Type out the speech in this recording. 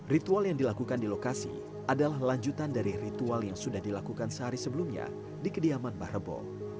ritual yang dilakukan di lokasi adalah lanjutan dari ritual yang sudah dilakukan sehari sebelumnya di kediaman mbah rebo